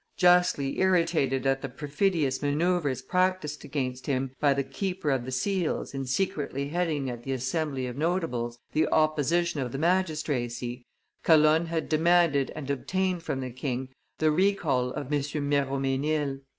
Justly irritated at the perfidious manoeuvres practised against him by the keeper of the seals in secretly heading at the Assembly of notables the opposition of the magistracy, Calonne had demanded and obtained from the king the recall of M. Miromesnil.